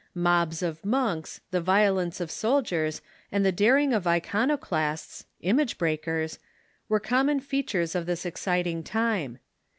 Mobs of monks, the violence of sol diers, and the daring of iconoclasts (image breakers) were common features of this exciting time.